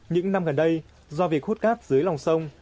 những năm gần đây do việc hút cát dưới lòng sông